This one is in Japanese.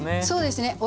そうですね。